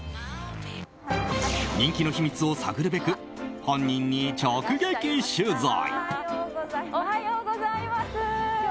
人気の秘密を探るべく本人に直撃取材。